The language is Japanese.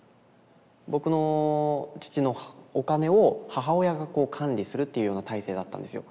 僕の父のお金を母親が管理するっていうような体制だったんですよ。